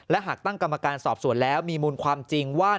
และหากตั้งกรรมการสอบสวนแล้วมีมูลความจริงว่า